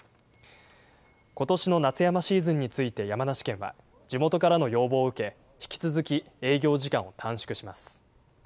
ことしの夏山シーズンについて山梨県は、地元からの要望を受け、引き続き営業時間を短縮します。